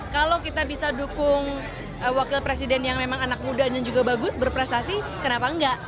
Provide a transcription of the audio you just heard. kalau kita bisa dukung wakil presiden yang memang anak muda dan juga bagus berprestasi kenapa enggak